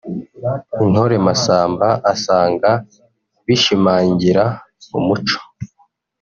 Intore Massamba asanga bishimangira umuco